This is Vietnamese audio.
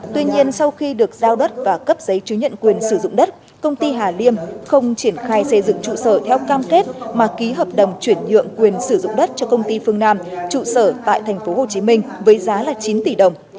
tuy nhiên sau khi được giao đất và cấp giấy chứa nhận quyền sử dụng đất công ty hà liêm không triển khai xây dựng trụ sở theo cam kết mà ký hợp đồng chuyển nhượng quyền sử dụng đất cho công ty phương nam trụ sở tại thành phố hồ chí minh với giá là chín tỷ đồng